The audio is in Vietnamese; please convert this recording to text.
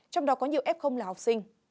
trong đó có nhiều f là học sinh